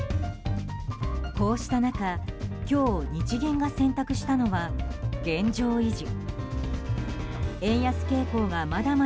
こうした中、今日日銀が選択したのは現状維持。